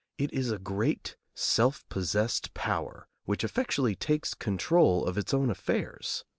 It is a great self possessed power which effectually takes control of its own affairs.